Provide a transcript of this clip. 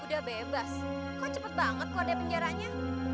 udah bebas kok cepet banget keluar dari penjaranya